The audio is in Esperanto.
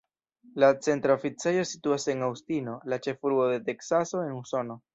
La centra oficejo situas en Aŭstino, la ĉefurbo de Teksaso en Usono.